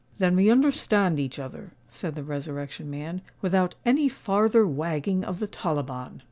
"Then we understand each other," said the Resurrection Man, "without any farther wagging of the tollibon."